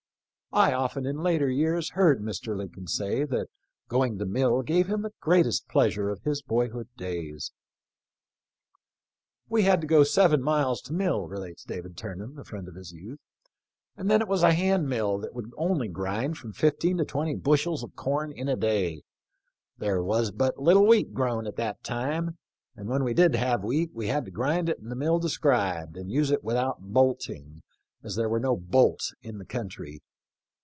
I often in later years heard Mr. Lincoln say that going to mill gave him the greatest pleasure of his boyhood days. " We had to go seven miles to mill," relates David Turnham, the friend of his j^outh, " and then * Harriet Chapman, MS. letter. THE LIFE OF LINCOLN. 25 it was a hand mill that would only grind from fif teen to twenty bushels of corn in a day. There was but little wheat grown at that time, and when we did have wheat we had to grind it in the mill described and use it without bolting, as there were no bolts in the country.